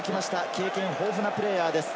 経験豊富なプレーヤーです。